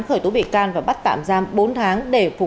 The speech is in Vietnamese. khởi tố bị can và bắt tạm giam bốn tháng